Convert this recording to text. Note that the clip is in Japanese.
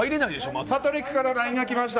パトリックからＬＩＮＥがきました。